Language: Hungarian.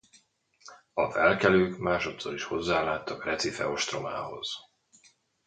A felkelők másodszor is hozzáláttak Recife ostromához.